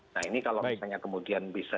nah ini kalau misalnya kemudian bisa